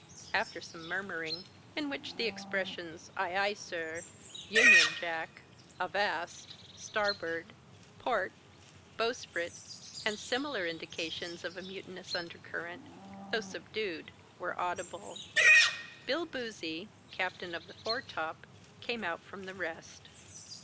After some murmuring, in which the expressions, 'Ay, ay, sir!' 'Union Jack,' 'Avast,' 'Starboard,' 'Port,' 'Bowsprit,' and similar indications of a mutinous undercurrent, though subdued, were audible, Bill Boozey, captain of the foretop, came out from the rest.